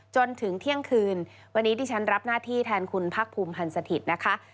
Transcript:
จนถึงเที่ยงคืนวันนี้ดิฉันรับหน้าที่แทนคุณพักภูมิพันธ์สถิตย์นะคะ